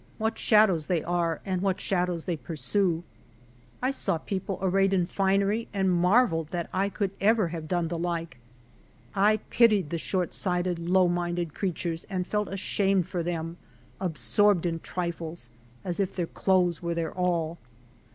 What shadows they are, and what shadows they pursue !" I saw people arrayed in finery, and marvelled that I could ever have done the like. I pitied the short sighted, low minded creatures, and felt ashamed for them — absorbed in triiies — as if their clothes were their all